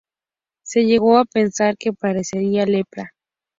Se llegó a pensar que padecía lepra.